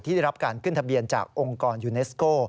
ได้รับการขึ้นทะเบียนจากองค์กรยูเนสโก้